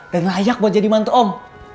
dan layak buat jadi mantu om